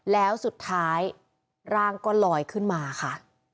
แล้วสุดท้ายร่างก็ลอยขึ้นมาค่ะ